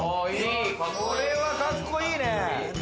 これはカッコいいね。